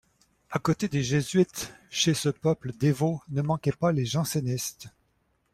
À côté des jésuites, chez ce peuple dévot, ne manquaient pas les jansénistes.